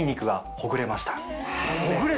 ほぐれた。